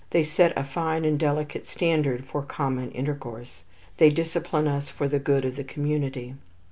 They set a fine and delicate standard for common intercourse. They discipline us for the good of the community.